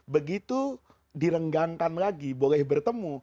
begitu direnggangkan lagi boleh bertemu